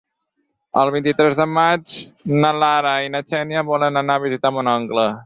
El vint-i-tres de maig na Lara i na Xènia volen anar a visitar mon oncle.